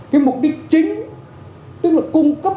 cái mục đích chính tức là cung cấp